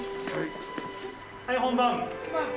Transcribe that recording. ・はい本番！